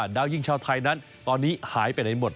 ดาวยิงชาวไทยนั้นตอนนี้หายไปไหนหมด